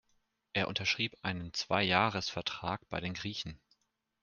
Er unterschrieb einen Zweijahresvertrag bei den Griechen.